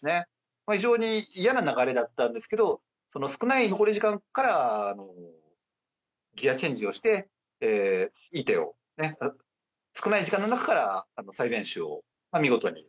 これは非常に嫌な流れだったんですけど、その少ない残り時間からギアチェンジをして、いい手を、少ない時間の中から最善手を見事に。